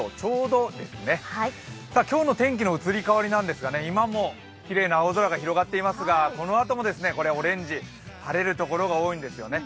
今日の天気の移り変わりなんですが、今もきれいな青空が広がっていますが、このあともオレンジ、晴れるところが多いんですね。